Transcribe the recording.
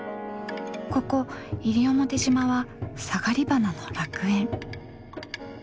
ここ西表島はサガリバナの楽園。